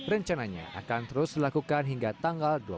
rencananya akan terus dilakukan hingga tiga hari